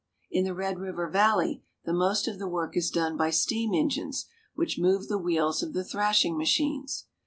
In the Red River Valley the most of the work is done by steam engines which move the wheels of the thrashing machines.